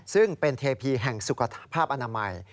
ซึ่งเป็นเทพีแห่งสุขภาพอนามัย